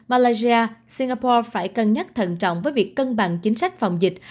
malaysia singapore phải cân nhắc thận trọng với việc cân bằng chính sách phòng dịch